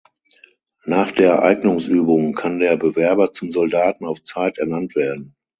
Nach der Eignungsübung kann der Bewerber zum Soldaten auf Zeit ernannt werden.